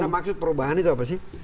nah maksud perubahan itu apa sih